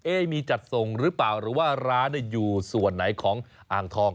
มีจัดส่งหรือเปล่าหรือว่าร้านอยู่ส่วนไหนของอ่างทอง